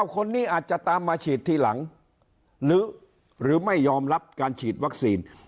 คนนี้อาจจะตามมาฉีดทีหลังหรือไม่ยอมรับการฉีดวัคซีน